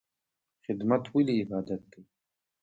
خدمت ولې عبادت دی؟